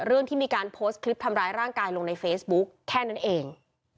เรื่องที่มีการโพสต์คลิปทำร้ายร่างกายลงในเฟซบุ๊กแค่นั้นเอง